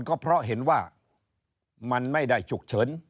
ก็เพราะเห็นว่ามันไม่ได้ฉุกเฉิน